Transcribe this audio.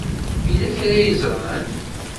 Yella kra ay ẓran?